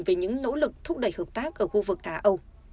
về những nỗ lực thúc đẩy hợp tác ở khu vực á âu